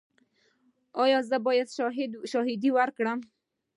ایا زه باید شاهدي ورکړم؟